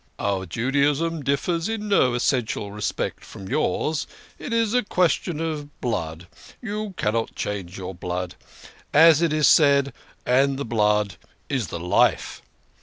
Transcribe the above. " Our Judaism differs in no essential respect from yours it is a question of blood. You cannot change your blood. As it is said, 'And the blood is the life.'